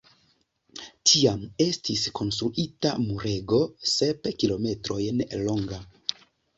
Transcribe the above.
Tiam estis konstruita murego sep kilometrojn longa.